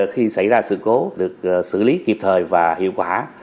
khi xảy ra sự cố được xử lý kịp thời và hiệu quả